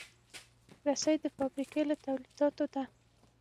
رسۍ د فابریکې له تولیداتو ده.